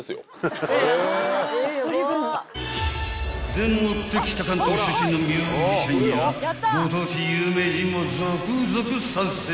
でもって北関東出身のミュージシャンやご当地有名人も続々参戦］